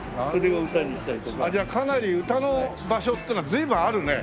じゃあかなり歌の場所っていうのは随分あるね。